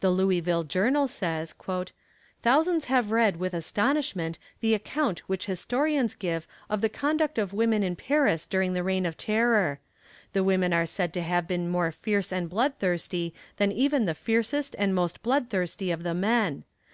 The Louisville Journal says: "Thousands have read with astonishment the account which historians give of the conduct of women in Paris during the Reign of Terror. The women are said to have been more fierce and bloodthirsty than even the fiercest and most bloodthirsty of the men.